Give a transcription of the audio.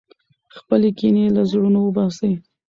خپلې کینې له زړونو وباسئ.